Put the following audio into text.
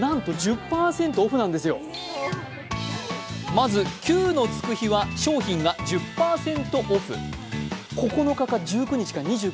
まず９のつく日は商品が１０％オフ。